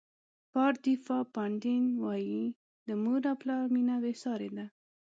پاردیفا پاندین وایي د مور او پلار مینه بې سارې ده.